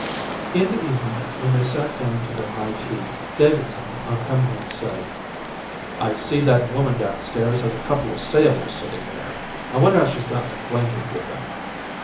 In the evening when they sat down to their high tea Davidson on coming in said: "I see that woman downstairs has a couple of sailors sitting there. I wonder how she's gotten acquainted with them."